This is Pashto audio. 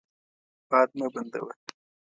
باد مه بندوه.